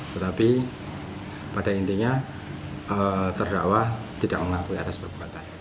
tetapi pada intinya terdakwa tidak mengakui atas perbuatan